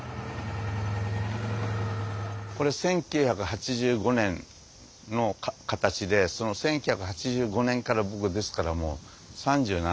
これは１９８５年の形で１９８５年から僕ですから３７年間持ってます